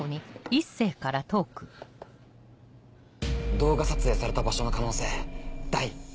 「動画撮影された場所の可能性大」。